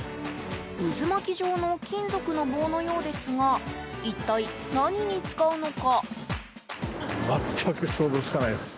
渦巻き状の金属の棒のようですが一体、何に使うのか。